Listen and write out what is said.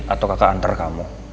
atau kakak antar kamu